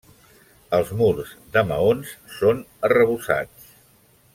Els murs, de maons, són arrebossats.